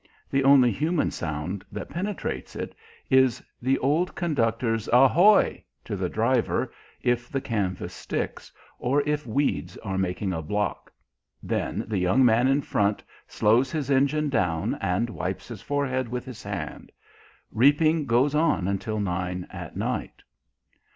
The only human sound that penetrates it is the old conductor's "Ohoy!" to the driver if the canvas sticks, or if weeds are making a "block." Then the young man in front slows his engine down, and wipes his forehead with his hand. Reaping goes on until nine at night.